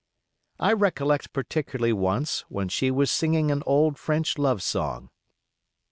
I recollect particularly once when she was singing an old French love song.